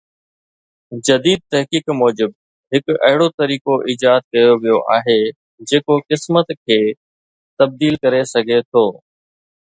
جديد تحقيق موجب هڪ اهڙو طريقو ايجاد ڪيو ويو آهي جيڪو قسمت کي تبديل ڪري سگهي ٿو